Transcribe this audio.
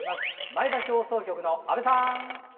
前橋放送局の阿部さん。